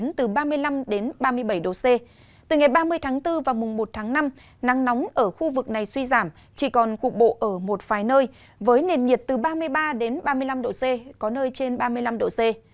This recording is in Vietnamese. nền nhiệt từ ba mươi ba đến ba mươi năm độ c có nơi trên ba mươi năm độ c